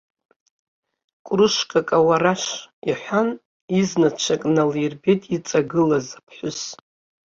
Курышкак ауараш, иҳәан изнацәак налирбеит иҵагылаз аԥҳәыс.